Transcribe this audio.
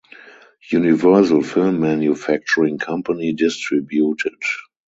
Universal Film Manufacturing Company distributed.